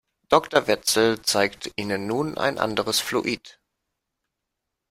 Doktor Wetzel zeigt Ihnen nun ein anderes Fluid.